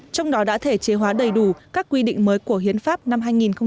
trong đó đã thể chế hóa đầy đủ các quy định mới của hiến pháp năm hai nghìn một mươi ba